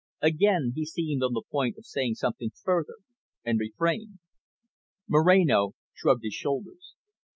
Again he seemed on the point of saying something further, and refrained. Moreno shrugged his shoulders.